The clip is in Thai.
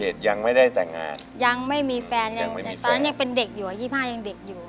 ตอนนั้นอายุ๒๕แล้วตอนนี้๔๖ปี